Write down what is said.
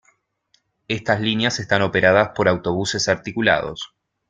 Estas líneas están operadas por autobuses articulados.